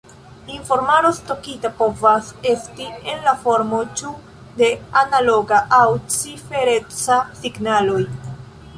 Informaro stokita povas esti en la formo ĉu de analoga aŭ cifereca signaloj.